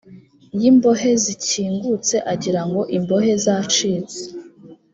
y imbohe zikingutse agira ngo imbohe zacitse